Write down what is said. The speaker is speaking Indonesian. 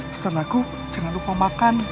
pesan aku jangan lupa makan